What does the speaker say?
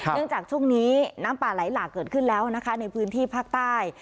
จากช่วงนี้น้ำป่าไหลหลากเกิดขึ้นแล้วนะคะในพื้นที่ภาคใต้